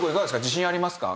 自信ありますか？